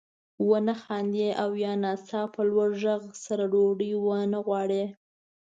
ونه خاندي او یا ناڅاپه لوړ غږ سره ډوډۍ وانه غواړي.